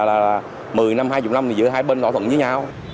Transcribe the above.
một mươi năm hai mươi năm thì giữa hai bên đỏ thuận với nhau